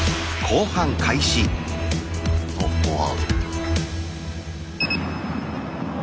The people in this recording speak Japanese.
おっ後半。